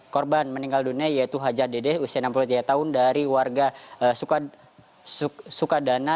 korban meninggal dunia yaitu hajar dedeh usia enam puluh tiga tahun dari warga sukadana